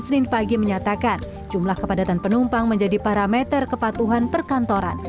senin pagi menyatakan jumlah kepadatan penumpang menjadi parameter kepatuhan perkantoran